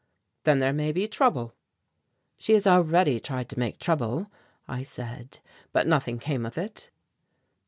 "Then there may be trouble." "She has already tried to make trouble," I said, "but nothing came of it."